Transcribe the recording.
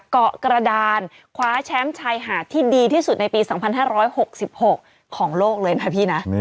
เกาะกระดานคว้าแชมป์ชายหาดที่ดีที่สุดในปี๒๕๖๖ของโลกเลยนะพี่นะ